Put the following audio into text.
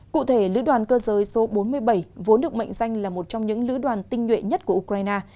cụ thể lưu đoàn cơ giới số bốn mươi bảy vốn được mệnh danh là một trong những lưu đoàn tinh nguyện nhất của ukraine